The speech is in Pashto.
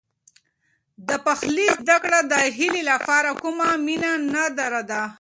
د پخلي زده کړه د هیلې لپاره کومه مینه نه درلوده.